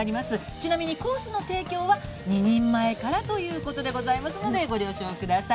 ちなみにコースの提供は、２人前からということでございますので、ご了承ください。